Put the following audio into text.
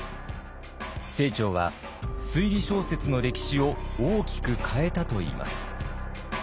清張は推理小説の歴史を大きく変えたといいます。